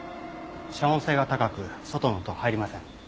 遮音性が高く外の音は入りません。